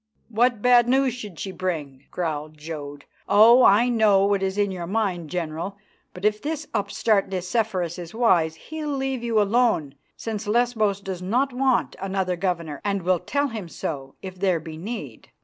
"What bad news should she bring?" growled Jodd. "Oh! I know what is in your mind, General, but if this upstart Nicephorus is wise, he'll leave you alone, since Lesbos does not want another governor, and will tell him so if there be need.